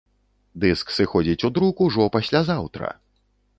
Дыск сыходзіць у друк ужо паслязаўтра!